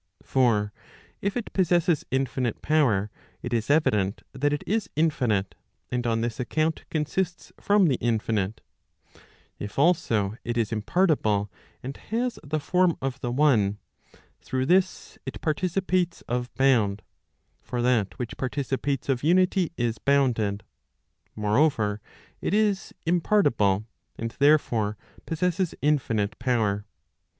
For if it possesses infinite power, it is evident that it is infinite, and on this account consists from the infinite. If also it is impartible, and has. the form of the one , through this, it participates of bound. For that which participates of unity is bounded. Moreover, it i? impartible, and therefore possesses infinite power.